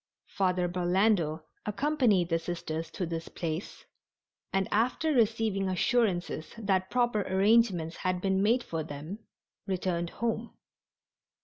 Father Burlando accompanied the Sisters to this place, and after receiving assurances that proper arrangements had been made for them returned home.